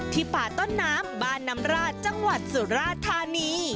ป่าต้นน้ำบ้านน้ำราดจังหวัดสุราธานี